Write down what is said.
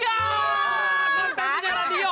konteks menyiar radio